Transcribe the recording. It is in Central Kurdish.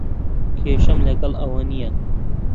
کێشەم لەگەڵ ئەوە نییە.